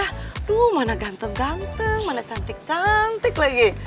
aduh mana ganteng ganteng mana cantik cantik lagi